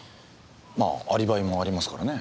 まあアリバイもありますからね。